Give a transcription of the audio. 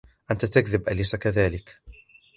أنت تكذب، أليس كذلك؟